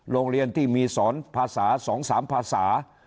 โรงเรียนที่มีสอนภาษา๒๓ภาษา